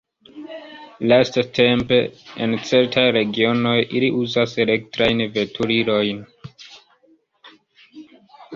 Lastatempe en certaj regionoj ili uzas elektrajn veturilojn.